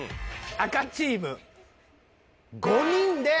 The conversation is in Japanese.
赤チーム５人で。